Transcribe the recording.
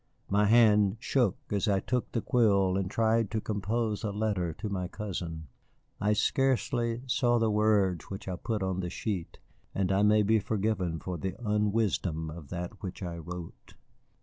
My hand shook as I took the quill and tried to compose a letter to my cousin. I scarcely saw the words which I put on the sheet, and I may be forgiven for the unwisdom of that which I wrote.